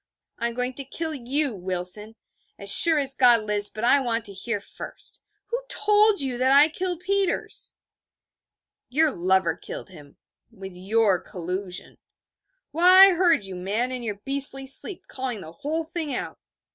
'I am going to kill you, Wilson as sure as God lives: but I want to hear first. Who told you that I killed Peters?' 'Your lover killed him with your collusion. Why, I heard you, man, in your beastly sleep, calling the whole thing out.